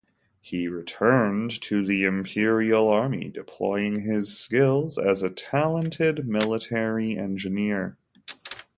He returned to the Imperial Army deploying his skills as a talented military engineer.